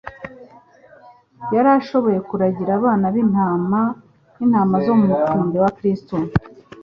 Yari ashoboye kuragira abana b'intama nk'intama zo mu mukurubi wa Kristo.